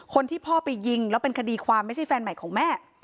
พ่อไปยิงแล้วเป็นคดีความไม่ใช่แฟนใหม่ของแม่